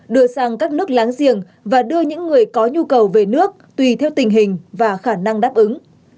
đưa sang các nước láng giềng và đưa những người có nhu cầu về nước tùy theo tình hình và khả năng đáp ứng